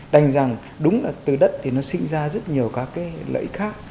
đành rằng đúng là từ đất thì nó sinh ra rất nhiều các cái lợi ích khác